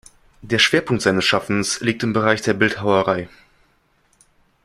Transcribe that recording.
Der Schwerpunkt seines Schaffens liegt im Bereich der Bildhauerei.